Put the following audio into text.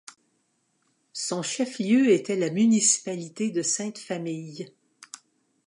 Son chef-lieu était la municipalité de Sainte-Famille.